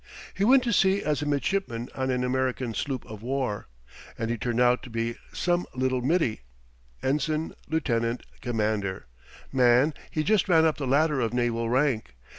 He went to sea as a midshipman on an American sloop of war. And he turned out to be some little middy. Ensign, lieutenant, commander man, he just ran up the ladder of naval rank.